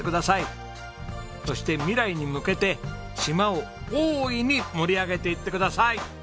そして未来に向けて島を大いに盛り上げていってください。